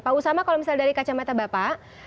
pak usama kalau misalnya dari kacamata bapak